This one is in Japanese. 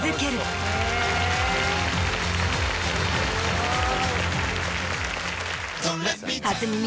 すごい。